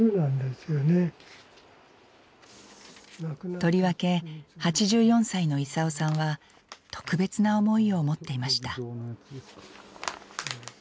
とりわけ８４歳の功さんは特別な思いを持っていました。